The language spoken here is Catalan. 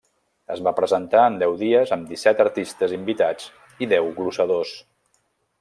Es va presentar en deu dies amb disset artistes invitats i deu glossadors.